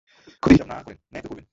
ক্ষতির হিসাব না করেন, ন্যায় তো করবেন।